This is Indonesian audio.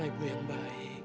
mama ibu yang baik